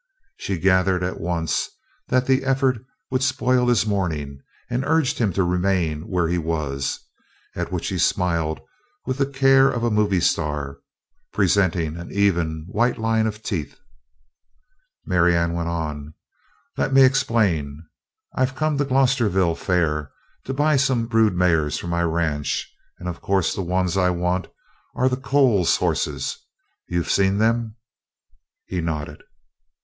She gathered at once that the effort would spoil his morning and urged him to remain where he was, at which he smiled with the care of a movie star, presenting an even, white line of teeth. Marianne went on: "Let me explain. I've come to the Glosterville fair to buy some brood mares for my ranch and of course the ones I want are the Coles horses. You've seen them?" He nodded.